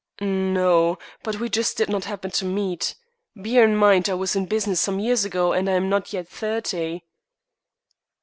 "N no, but we just did not happen to meet. Bear in mind, I was in business some years ago, and I am not yet thirty."